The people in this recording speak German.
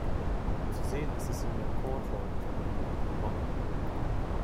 Zu sehen ist es in der Courtauld Gallery in London.